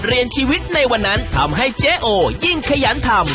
บทเรียนชีวิตในวันนั้นทำให้เจโอ้ยิ่งขยันทำ